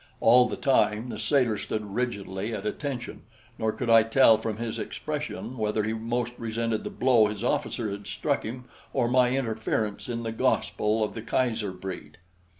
All the time the sailor stood rigidly at attention, nor could I tell from his expression whether he most resented the blow his officer had struck him or my interference in the gospel of the Kaiser breed.